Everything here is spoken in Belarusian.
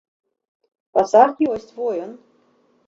Пасаг ёсць, во ён.